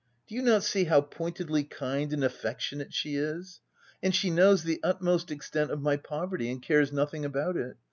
Do you not see how pointedly kind and affectionate she is ? And she knows the utmost extent of my poverty, and cares nothing about it